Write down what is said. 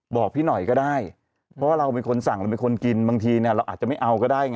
บอกพี่หน่อยก็ได้เพราะเราเป็นคนสั่งเราเป็นคนกินบางทีเนี่ยเราอาจจะไม่เอาก็ได้ไง